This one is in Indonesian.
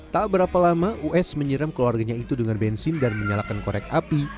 tak berapa lama us menyiram keluarganya itu dengan bensin dan menyalakan korek api